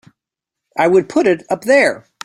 I would put it up there!